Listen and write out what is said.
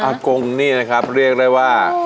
กงนี่นะครับเรียกได้ว่า